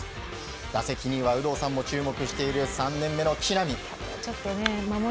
打席には有働さんも注目している３年目の木浪。